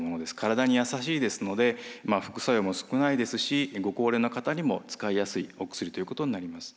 体にやさしいですので副作用も少ないですしご高齢の方にも使いやすいお薬ということになります。